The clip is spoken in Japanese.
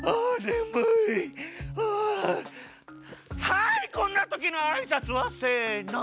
はいこんなときのあいさつは？せの！